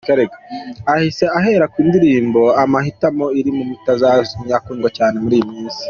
Ahise ahera ku ndirimbo ’Amahitamo’ iri mu zatumye akundwa cyane muri iyi minsi.